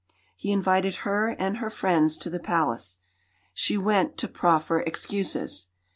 He invited her and her friends to the Palace. She went to proffer excuses.